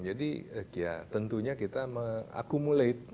jadi ya tentunya kita mengakumulasi